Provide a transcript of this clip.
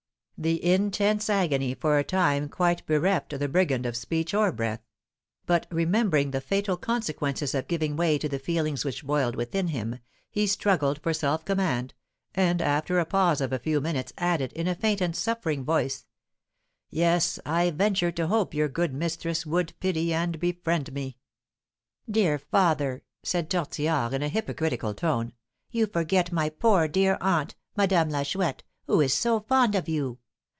The intense agony for a time quite bereft the brigand of speech or breath; but remembering the fatal consequences of giving way to the feelings which boiled within him, he struggled for self command, and, after a pause of a few minutes, added, in a faint and suffering voice, "Yes, I venture to hope your good mistress would pity and befriend me." "Dear father," said Tortillard, in a hypocritical tone, "you forget my poor dear aunt, Madame la Chouette, who is so fond of you.